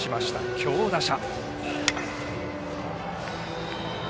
強打者。